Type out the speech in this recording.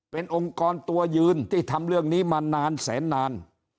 เป็นองค์กรตัวยืนที่ทำเรื่องนี้มานานแสนนาน